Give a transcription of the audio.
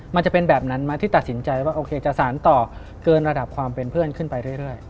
มันจะเป็นแบบนั้นไหมที่ตัดสินใจว่าโอเคจะสารต่อเกินระดับความเป็นเพื่อนขึ้นไปเรื่อย